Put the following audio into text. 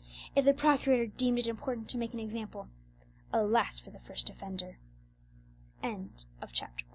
If the procurator deemed it important to make an example, alas for the first offender! CHAP